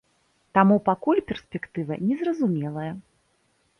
Таму пакуль перспектыва незразумелая.